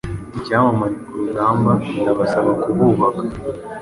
Icyamamare ku rugamba ndabasaba kububaka